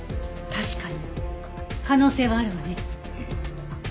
確かに可能性はあるわね。